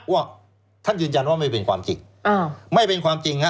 ว่าท่านยืนยันว่าไม่เป็นความจริงไม่เป็นความจริงฮะ